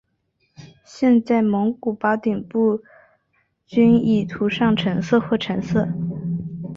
现在蒙古包顶部均已涂上橙色或棕色。